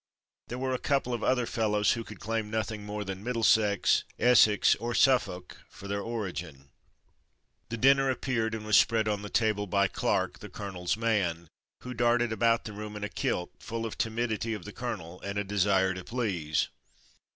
There were a couple of other fellows who could claim nothing more than Middlesex, Essex, or Suffolk for their origin. The dinner appeared and was spread on the table by Clark, the colonel's man, who darted about the room in a kilt, full of ' tc)2 i {;; ilVaiii Mud to Mufti timidity of the colonel, and a desire to please.